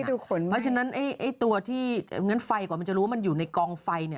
เพราะฉะนั้นไอ้ตัวที่ไฟก่อนมันจะรู้ว่ามันอยู่ในกองไฟ